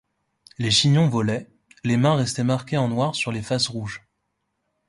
Les chignons volaient, les mains restaient marquées en noir sur les faces rouges.